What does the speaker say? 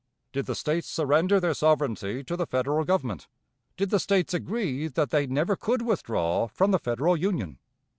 Did the States surrender their sovereignty to the Federal Government? Did the States agree that they never could withdraw from the Federal Union?